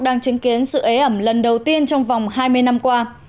đang chứng kiến sự ế ẩm lần đầu tiên trong vòng hai mươi năm qua